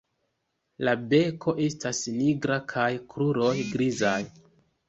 La beko estas nigra kaj la kruroj grizaj.